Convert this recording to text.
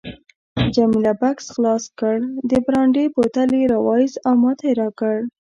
جميله بکس خلاص کړ، د برانډي بوتل یې راوایست او ماته یې راکړ.